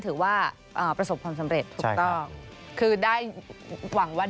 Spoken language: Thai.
ถือว่าประสบความสำเร็จถูกต้องคือได้หวังว่า